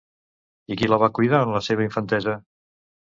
I qui la va cuidar en la seva infantesa?